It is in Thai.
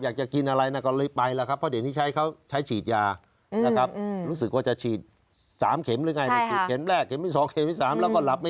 อยากจะกินอะไรนะครับอยากจะกินอะไรนะก็เลยไปแล้วครับ